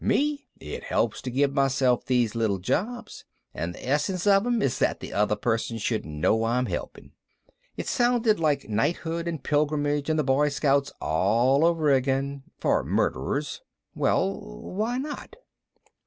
Me, it helps to give myself these little jobs. And the essence of 'em is that the other person shouldn't know I'm helping." It sounded like knighthood and pilgrimage and the Boy Scouts all over again for murderers. Well, why not?